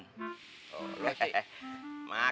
iya iya setan masa kesambet setan